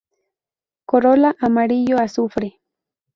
Corola amarillo azufre.